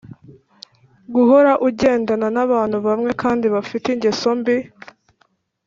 guhora ugendana n’abantu bamwe kandi bafite ingeso mbi.